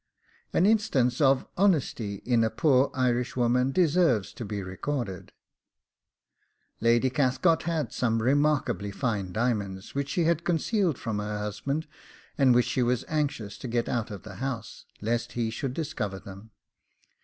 An instance of honesty in a poor Irishwoman deserves to be recorded. Lady Cathcart had some remarkably fine diamonds, which she had concealed from her husband, and which she was anxious to get out of the house, lest he should discover them.